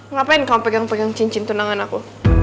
ngapain kamu pegang pegang cincin tunangan aku